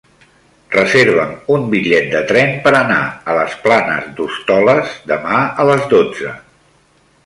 Reserva'm un bitllet de tren per anar a les Planes d'Hostoles demà a les dotze.